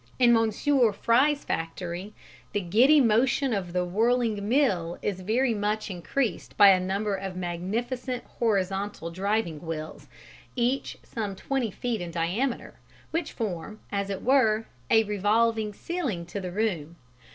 In Messrs. Fry's factory the "giddy motion of the whirling mill" is very much increased by a number of magnificent horizontal driving wheels, each some 20 feet in diameter, which form, as it were, a revolving ceiling to the room.